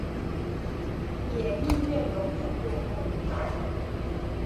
也宁愿永远作梦